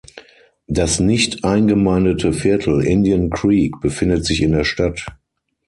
Das nicht eingemeindete Viertel Indian Creek befindet sich in der Stadt.